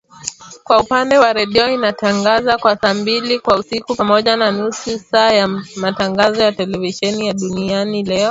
Kwa upande wa redio inatangaza kwa saa mbili kwa siku pamoja na nusu saa ya matangazo ya televisheni ya Duniani Leo